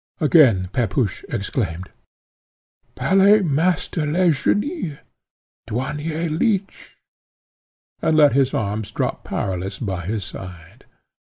Again Pepusch exclaimed, "Ballet master Legénie! Douanier Leech!" and let his arms drop powerless by his side.